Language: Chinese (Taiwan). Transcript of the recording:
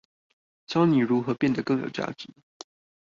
教你如何變得更有價值